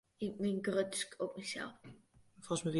Ik bin grutsk op mysels.